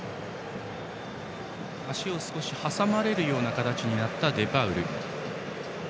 足を挟まれるような形になったデパウル。